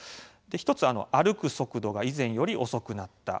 １つは歩く速度が以前より遅くなった。